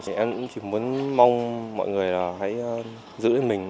em cũng chỉ muốn mong mọi người là hãy giữ đến mình